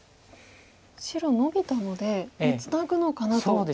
白ノビたのでもうツナぐのかなと。